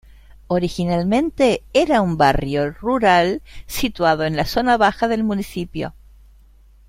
Originalmente era un barrio rural situado en la zona baja del municipio.